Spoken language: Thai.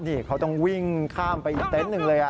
นี่เขาต้องวิ่งข้ามไปอีกเต็นต์หนึ่งเลย